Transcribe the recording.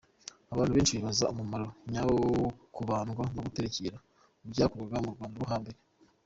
Abantu benshi, bibaza umumaro nyawo wo kubandwa no guterekera, byakorwaga mu Rwanda rwo hambere.